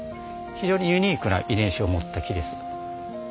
非常にユニークな遺伝子を持った木です。